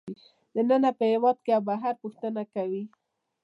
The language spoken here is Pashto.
دننه په هېواد کې او بهر پوښتنه کوي